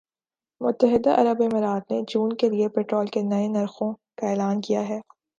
متحدہ عرب امارات نے جون کے لیے پٹرول کے نئے نرخوں کا اعلان کیا ہے